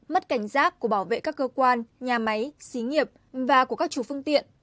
mất cảnh giác của bảo vệ các cơ quan nhà máy xí nghiệp và của các chủ phương tiện